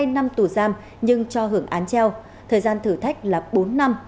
hai năm tù giam nhưng cho hưởng án treo thời gian thử thách là bốn năm